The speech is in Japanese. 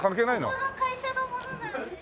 そこの会社の者なんです。